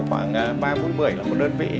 khoảng ba bốn bảy là một đơn vị